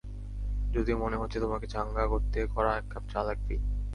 যদিও মনে হচ্ছে তোমাকে চাঙ্গা করতে কড়া এক কাপ চা লাগবেই।